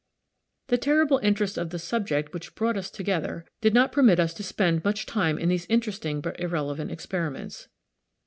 The terrible interest of the subject which had brought us together did not permit us to spend much time in these interesting but irrelevant experiments.